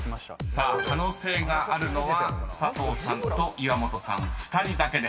［さあ可能性があるのは佐藤さんと岩本さん２人だけです］